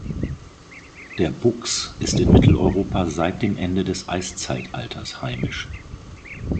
Der Buchs ist in Mitteleuropa seit dem Ende des Eiszeitalters heimisch.